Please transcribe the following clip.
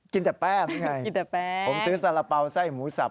กินแต่แป้งกินแต่แป้งผมซื้อสาระเป๋าไส้หมูสับ